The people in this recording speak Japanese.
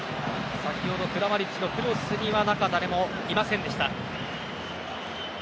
先ほどクラマリッチのクロスには中、誰もいませんでした。